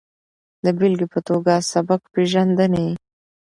د بېلګې په ټوګه سبک پېژندنې